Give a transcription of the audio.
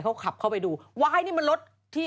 เขาขับเข้าไปดูว้ายนี่มันรถที่